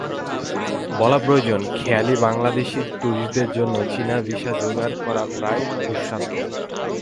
বলা প্রয়োজন, খেয়ালি বাংলাদেশি টুরিস্টদের জন্য চীনা ভিসা জোগাড় করা প্রায় দুঃসাধ্য।